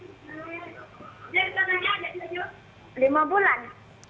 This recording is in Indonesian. jadi kanannya ada tujuh